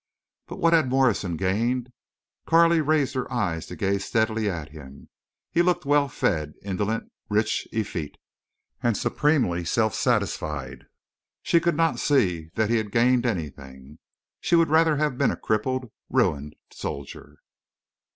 But what had Morrison gained? Carley raised her eyes to gaze steadily at him. He looked well fed, indolent, rich, effete, and supremely self satisfied. She could not see that he had gained anything. She would rather have been a crippled ruined soldier.